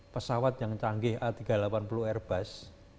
pesawat yang canggih a tiga ratus delapan puluh airbus